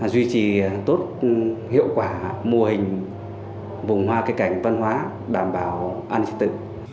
duy trì tốt hiệu quả mô hình vùng hoa cây cảnh văn hóa đảm bảo an ninh trật tự